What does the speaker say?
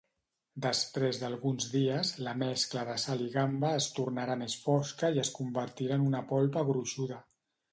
Després d'alguns dies, la mescla de sal i gamba es tornarà més fosca i es convertirà en una polpa gruixuda.